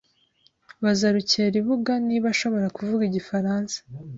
Baza Rukeribuga niba ashobora kuvuga igifaransa.